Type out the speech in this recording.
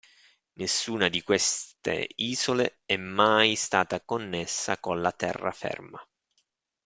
Nessuna di questa isole è mai stata connessa con la terraferma.